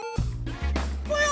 ぽよ！